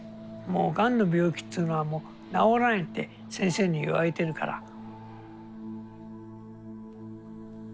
もうがんの病気っていうのはもう治らないって先生に言われてるから。